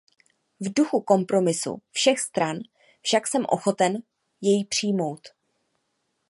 V duchu kompromisu všech stran však jsem ochoten jej přijmout.